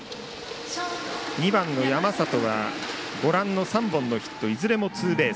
２番の山里は３本のヒットいずれもツーベース。